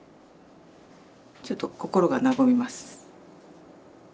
ちょっと心が和みます。